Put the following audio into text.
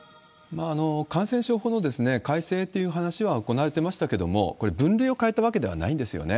感染症法の改正という話は行われてましたけれども、これ、分類を変えたわけではないんですよね。